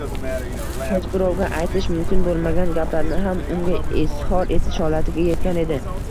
hech birovga aytish mumkin bo’lmagan gaplarni ham unga izhor etish holatiga yetgan edi.